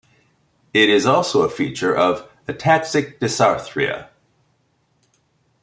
It is also a feature of ataxic dysarthria.